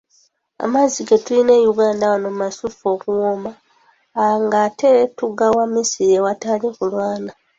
"Amazzi ge tulina e Uganda wano masuffu okuwooma, ng’ate tugawa misiri awatali kulwana."